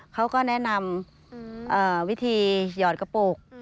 เขาก็แนะนำวิธีหยอดกระปุก